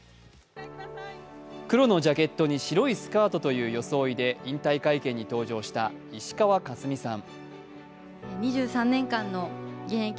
黒のジャケットに白いスカートという装いで引退会見に登場した石川佳純さん。